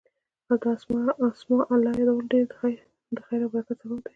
د اسماء الله يادول ډير د خير او برکت سبب دی